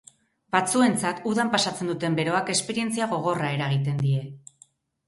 Batzuentzat udan pasatzen duten beroak esperientzia gogorra eragiten die.